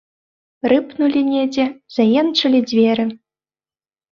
Рыпнулі недзе, заенчылі дзверы.